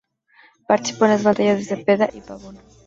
Participó en las batallas de Cepeda y Pavón.